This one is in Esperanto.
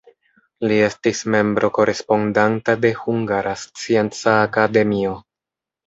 Li estis membro korespondanta de Hungara Scienca Akademio.